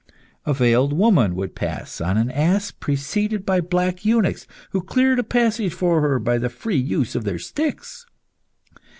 A veiled woman would pass on an ass, preceded by black eunuchs, who cleared a passage for her by the free use of their sticks.